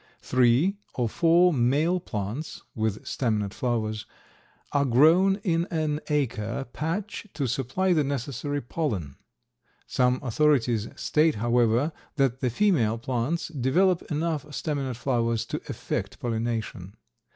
Three or four male plants (with staminate flowers) are grown in an acre patch to supply the necessary pollen. Some authorities state, however, that the female plants develop enough staminate flowers to effect pollination.